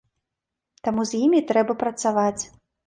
Таму з імі трэба працаваць.